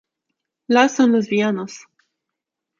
Las son los villanos.